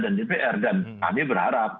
dan dpr dan kami berharap